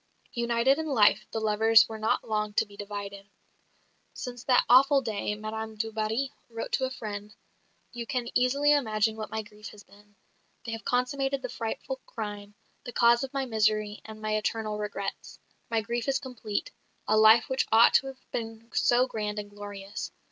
United in life, the lovers were not long to be divided. "Since that awful day," Madame du Barry wrote to a friend, "you can easily imagine what my grief has been. They have consummated the frightful crime, the cause of my misery and my eternal regrets my grief is complete a life which ought to have been so grand and glorious!